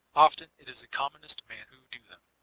Often it is the commonest men who do them.